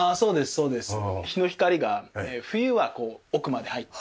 そうですね。